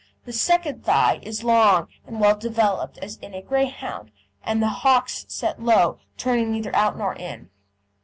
The second thigh is long and well developed as in a Greyhound, and the hocks set low, turning neither out nor in.